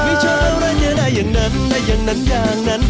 ไม่ใช่อะไรจะได้อย่างนั้นได้อย่างนั้นอย่างนั้น